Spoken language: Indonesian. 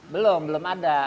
belum belum ada